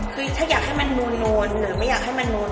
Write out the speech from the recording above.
คือถ้าอยากให้มันนูนหรือไม่อยากให้มันนน